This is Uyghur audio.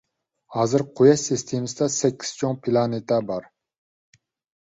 ھازىر قۇياش سىستېمىسىدا سەككىز چوڭ پىلانېتا بار.